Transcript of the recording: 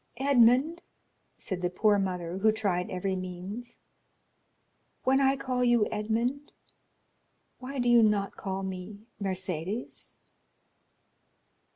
"Edmond," said the poor mother, who tried every means, "when I call you Edmond, why do you not call me Mercédès?"